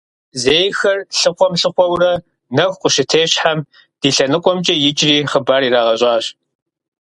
Зейхэр лъыхъуэм-лъыхъуэурэ нэху къащытещхьэм, ди лъэныкъуэмкӀэ икӀри хъыбар ирагъэщӀащ.